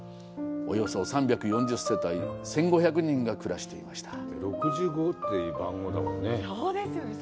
およそ３４０世帯、１５００人が暮らしていました。